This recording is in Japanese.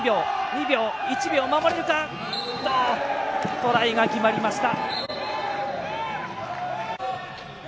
トライが決まりました。